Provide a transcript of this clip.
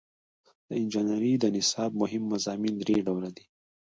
د انجنیری د نصاب مهم مضامین درې ډوله دي.